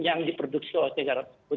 yang diproduksi oleh negara tersebut